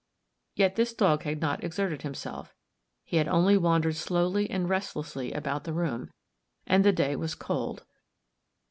Yet this dog had not exerted himself; he had only wandered slowly and restlessly about the room, and the day was cold.